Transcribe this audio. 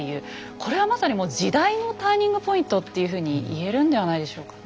これはまさにもう時代のターニングポイントっていうふうに言えるんではないでしょうかね。